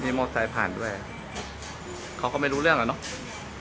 มีมอไซค์ผ่านด้วยเขาก็ไม่รู้เรื่องแล้วเนอะ